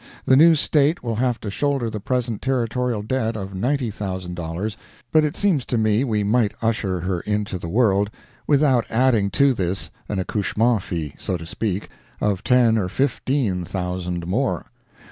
The new State will have to shoulder the present Territorial debt of $90,000, but it seems to me we might usher her into the world without adding to this an accouchement fee—so to speak—of ten or fifteen thousand more.